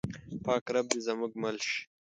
پاک رب دې زموږ مل شي.